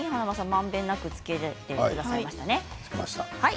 まんべんなくつけてくれましたね。